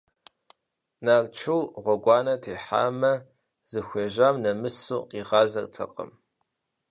Нарт шур гъуэгуанэ техьамэ, зыхуежьам нэмысу къигъазэркъым.